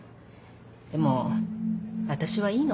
でも私はいいの。